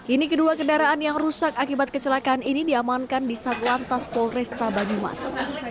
ini kedua kendaraan yang rusak akibat kecelakaan ini diamankan di satlantas polresta banyumas